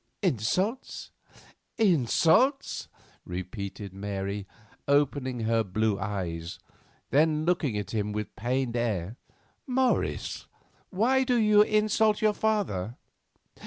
"Insults! insults!" Mary repeated, opening her blue eyes; then, looking at him with a pained air: "Morris, why do you insult your father?"